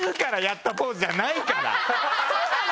そうなの？